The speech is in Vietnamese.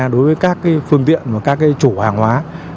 đối với các phương tiện và các chủ hàng hóa